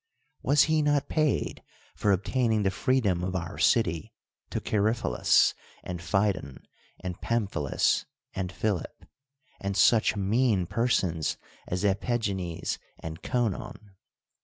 Was he not paid for obtaining the freedom of our city to Chaerephilus, and Phidon, and Pamphilus, and Philip, and such mean per sons as Epigcncs and Conon